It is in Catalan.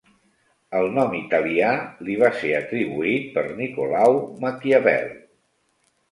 El nom italià li va ser atribuït per Nicolau Maquiavel.